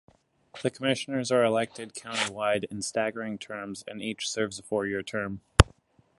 The commissioners are elected county-wide, in staggered terms, and each serves a four-year term.